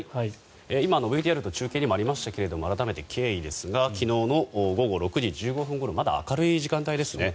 今のＶＴＲと中継にもありましたが改めて経緯ですが昨日の午後６時１５分ごろまだ明るい時間帯ですね。